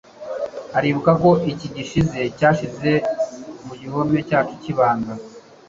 uribuka ko icyi gishize cyashize mu gihome cyacu cyibanga